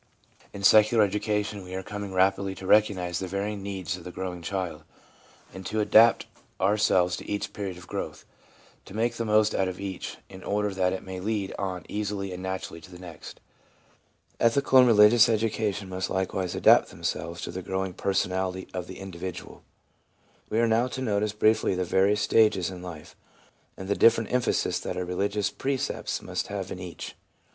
In secular education we are coming rapidly to recognise the varying needs of the growing child, and to adapt ourselves to each period of growth — to make the most out of each, in order that it may lead on easily and naturally to the next. Ethical and religious education must likewise adapt themselves to the growing personality of the individual. We are now to notice briefly the various stages in life, and the different emphasis that our religious precepts must have in each.